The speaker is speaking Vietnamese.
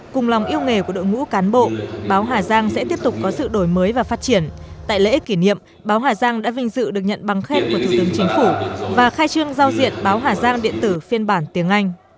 cùng lòng yêu nghề của đội ngũ cán bộ báo hà giang sẽ tiếp tục có sự đổi mới và phát triển